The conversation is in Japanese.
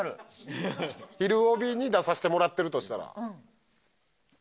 「ひるおび」に出させてもらってるとしたら？